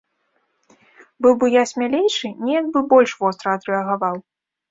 Быў бы я смялейшы, неяк бы больш востра адрэагаваў.